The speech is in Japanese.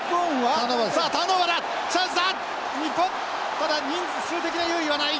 ただ人数数的な優位はない。